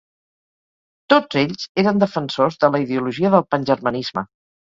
Tots ells eren defensors de la ideologia del pangermanisme.